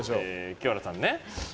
清原さんね。